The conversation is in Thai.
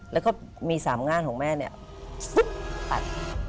แล้วก็มีสามงานของแม่เนี่ยฟุ๊บอัด